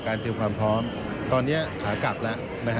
เตรียมความพร้อมตอนนี้ขากลับแล้ว